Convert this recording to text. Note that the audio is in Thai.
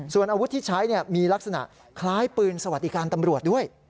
ส่วนอาวุธที่ใช้มีลักษณะคล้ายปืนสวัสดิการตำรวจด้วย